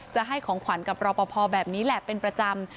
จะให้ของขวัญกับรอปภแบบนี้แหละเป็นประจำ